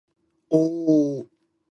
おおおおお